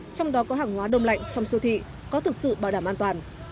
trong đó có hàng hóa đông lạnh trong siêu thị có thực sự bảo đảm an toàn